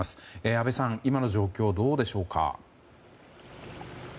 阿部さん、今の状況どうでしょうか。